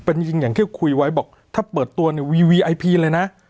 เป็นจริงจริงอย่างแค่คุยไว้บอกถ้าเปิดตัวไวป์เลยนะ